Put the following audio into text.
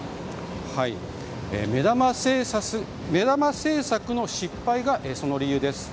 目玉政策の失敗がその理由です。